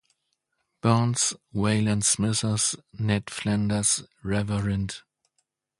Burns, Waylon Smithers, Ned Flanders, Rev.